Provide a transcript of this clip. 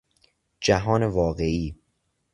جهان واقعی